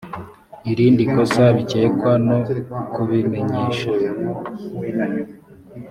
irindi kosa bikekwa no kubimenyesha